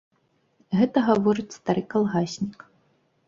Гэта гаворыць стары калгаснік.